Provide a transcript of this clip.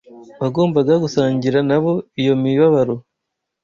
wagombaga gusangira na bo iyo mibabaro